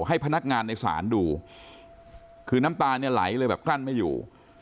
ให้พนักงานในศาลดูคือน้ำตาเนี่ยไหลเลยแบบกลั้นไม่อยู่